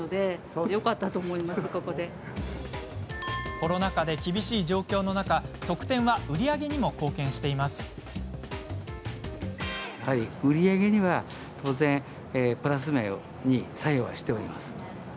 コロナ禍で厳しい状況の中特典は売り上げにも貢献しています。